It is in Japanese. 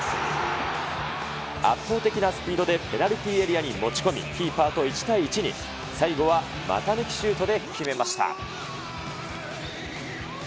圧倒的なスピードでペナルティーエリアに持ち込み、キーパーと１対１に、最後は股抜きシュートで決めました。